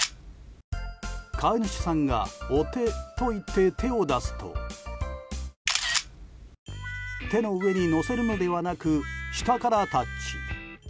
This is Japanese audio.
飼い主さんがお手と言って手を出すと手の上に乗せるのではなく下からタッチ。